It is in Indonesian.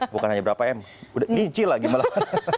bukan hanya berapa m udah nicil lagi malah